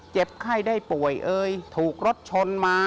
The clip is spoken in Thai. ไข้ได้ป่วยเอ่ยถูกรถชนมา